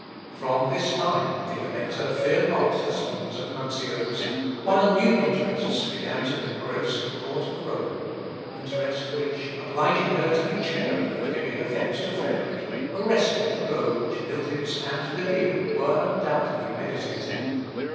From this time the Elector feared not the schemes of nuncios, while new interests began to engross the court of Rome interests which, obliging her to be chary of giving offence to Frederick, arrested the blow which Miltitz and De Vio were undoubtedly meditating.